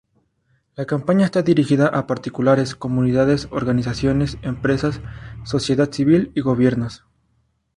La campaña está dirigida a particulares, comunidades, organizaciones, empresas, sociedad civil y gobiernos.